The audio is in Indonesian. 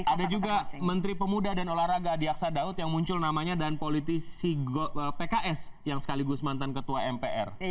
ada juga menteri pemuda dan olahraga adiaksa daud yang muncul namanya dan politisi pks yang sekaligus mantan ketua mpr